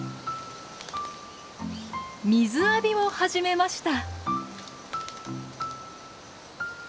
水浴びを始めました。